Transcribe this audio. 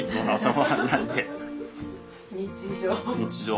日常。